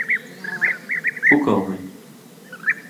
اُو کؤں ہُون٘دیۡ۔